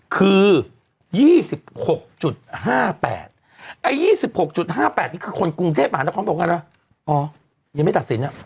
คือ๒๖๕๘นี่คือคนกรุงเทพฯอาณาคมบอกกันแล้วอ๋อยังไม่ตัดสิน